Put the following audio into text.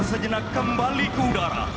sejenak kembali ke udara